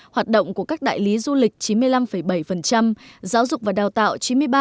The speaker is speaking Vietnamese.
hoạt động của các đại lý du lịch chín mươi năm bảy giáo dục và đào tạo chín mươi ba chín